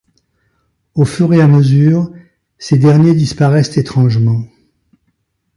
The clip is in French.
Au fur et à mesure, ces derniers disparaissent étrangement.